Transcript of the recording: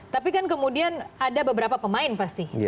tapi kan kemudian ada beberapa pemain pasti